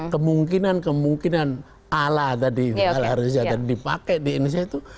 kemungkinan kemungkinan ala tadi ala reza tadi dipakai di indonesia itu